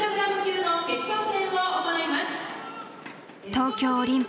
東京オリンピックの代表